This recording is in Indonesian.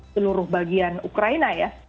seluruh bagian ukraina ya